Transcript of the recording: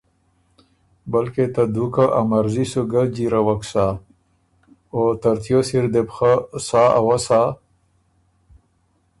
بلکې ته دُوکه ا مرضی سو ګۀ جیرَوَک سَۀ، او ترتیوس اِر دې بو خه سا اوسا